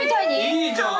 いいじゃん。